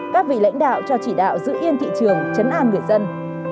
các vị lãnh đạo cho chỉ đạo giữ yên thị trường chấn an người dân